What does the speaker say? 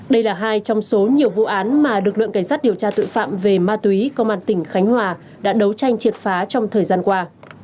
đây là hai trong số nhiều vụ án mà lực lượng cảnh sát điều tra tội phạm về ma túy công an tỉnh khánh hòa đã đấu tranh triệt phá trong thời gian qua